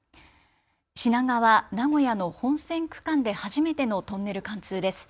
品川・名古屋の本線区間で初めてのトンネル貫通です。